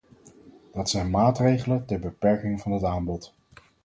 Dat zijn maatregelen ter beperking van het aanbod.